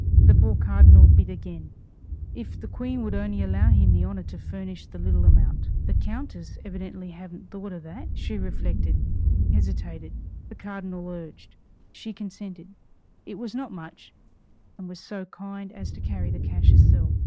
The poor cardinal bit again "If the Queen would only allow him the honor to furnish the little amount!" The countess evidently hadn't thought of that. She reflected hesitated. The cardinal urged. She consented it was not much and was so kind as to carry the cash herself.